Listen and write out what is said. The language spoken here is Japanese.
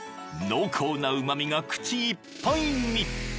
濃厚なうま味が口いっぱいに］